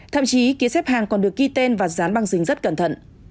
thậm chí ký xếp hàng còn được ghi tên và dán băng dính rất cẩn thận